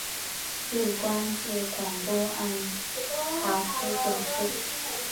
累官至广东按察司佥事。